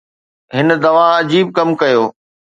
هن دوا عجيب ڪم ڪيو